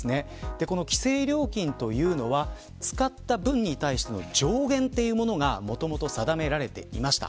この規制料金というのは使った分に対しての上限というものがもともと定められていました。